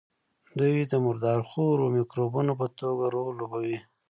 دوی د مردار خورو مکروبونو په توګه رول لوبوي.